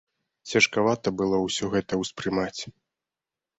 Цяжкавата было ўсё гэта ўспрымаць.